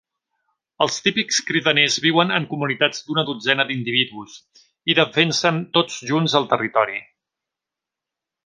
Els típics cridaners viuen en comunitats d'una dotzena d'individus, i defensen tots junts el territori.